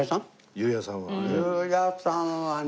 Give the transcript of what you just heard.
裕也さんはね。